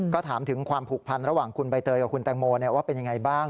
ก็ถามถึงความผูกพันระหว่างคุณใบเตยกับคุณแตงโมว่าเป็นยังไงบ้าง